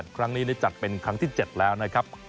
ครั้งนี้จัดเป็นครั้งที่๗แล้วนะครับ